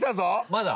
まだ？